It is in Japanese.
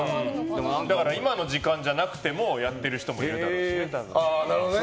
今の時間じゃなくてもやってる人もいるだろうしね。